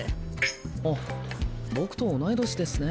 あ僕と同い年ですね。